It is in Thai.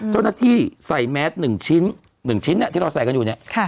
เจ้าหน้าที่ใส่แมส๑ชิ้น๑ชิ้นที่เราใส่กันอยู่เนี่ย